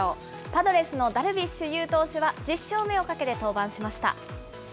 パドレスのダルビッシュ有投手は１０勝目をかけて登板しました。